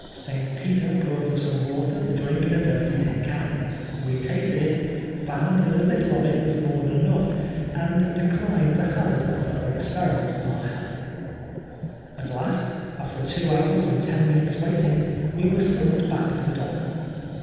St. Peter brought us some water to drink in a dirty tin can. We tasted it, found that a little of it was more than enough, and declined to hazard a further experiment AT THE OLD BAILEY. 83 on onr health. At last^ after two hours and ten minutes' waiting, we were snmmoned back to the dock.